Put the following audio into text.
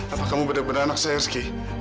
apa kamu benar benar anak saya